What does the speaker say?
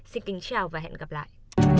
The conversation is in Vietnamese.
xin kính chào và hẹn gặp lại